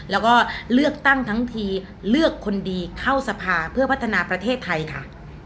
แล้วก็เลือกตั้งทั้งทีเลือกคนดีเข้าสภาเพื่อพัฒนาประเทศไทยค่ะ